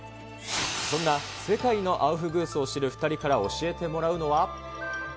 そんな世界のアウフグースを知る２人から教えてもらうのは。